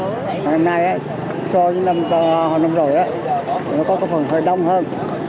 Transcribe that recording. hôm nay so với năm hồi năm rồi nó có phần hơi đông hơn